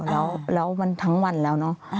แล้วมันทั้งวันแล้วเนอะ